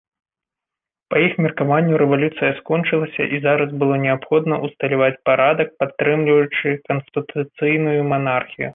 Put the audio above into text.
Па іх меркаванню рэвалюцыя скончылася і зараз было неабходна ўсталяваць парадак, падтрымліваючы канстытуцыйную манархію.